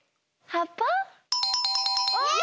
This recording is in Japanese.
はっぱ？